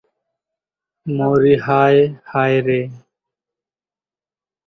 মরি হায়, হায় রে